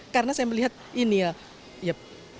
karena saya melihat ini ya